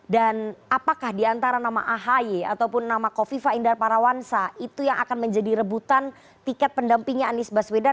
dan apakah di antara nama ahy ataupun nama kofifa indar parawansa itu yang akan menjadi rebutan tiket pendampingnya anies baswedan